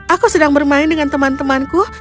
aku sedang bermain dengan teman temanku